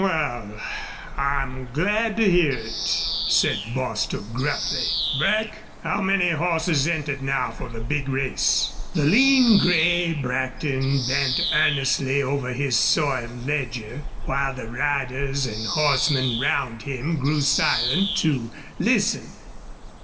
"Wal, I'm glad to hear it," said Bostil, gruffly. "Brack, how many hosses entered now for the big race?" The lean, gray Brackton bent earnestly over his soiled ledger, while the riders and horsemen round him grew silent to listen.